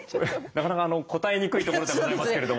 なかなか答えにくいところではございますけれども。